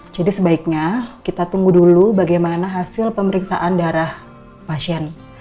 jadi sebaiknya kita tunggu dulu bagaimana hasil pemeriksaan darah pasien